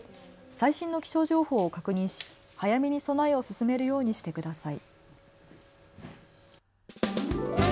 最新の気象情報を確認し早めに備えを進めるようにしてください。